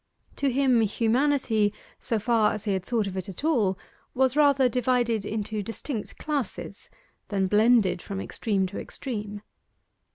To him humanity, so far as he had thought of it at all, was rather divided into distinct classes than blended from extreme to extreme.